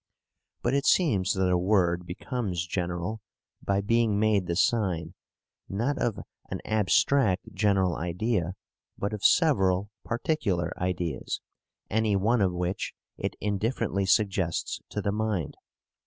But it seems that a word becomes general by being made the sign, not of an abstract general idea, but of several particular ideas, any one of which it indifferently suggests to the mind.